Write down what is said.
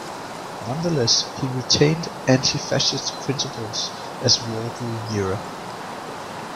Nonetheless he retained anti-fascist principles as war drew nearer.